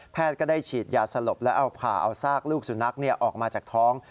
ก็ได้ฉีดยาสลบแล้วเอาผ่าเอาซากลูกสุนัขออกมาจากท้อง